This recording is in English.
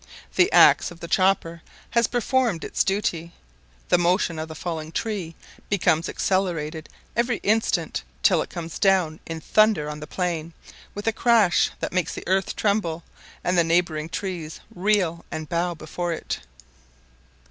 The axe of the chopper has performed its duty; the motion of the falling tree becomes accelerated every instant, till it comes down in thunder on the plain, with a crash that makes the earth tremble and the neighbouring trees reel and bow before it.